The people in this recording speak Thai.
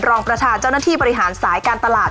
รองประธานเจ้าหน้าที่บริหารสายการตลาด